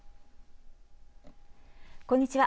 こんにちは。